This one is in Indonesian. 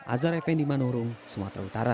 azhar epen di manurung sumatera utara